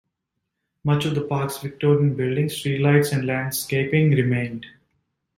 Much of the park's Victorian buildings, street lights and landscaping remained.